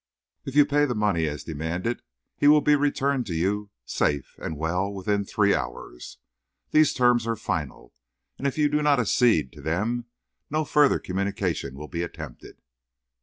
If you pay the money as demanded, he will be returned to you safe and well within three hours. These terms are final, and if you do not accede to them no further communication will be attempted.